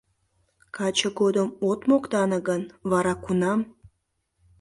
— Каче годым от моктане гын, вара кунам?